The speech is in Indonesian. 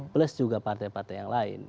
plus juga partai partai yang lain